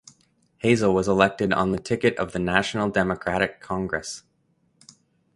Hazel was elected on the ticket of the National Democratic Congress.